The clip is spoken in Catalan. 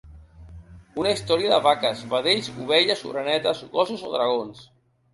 Una història de vaques, vedells, ovelles, orenetes, gossos o dragons.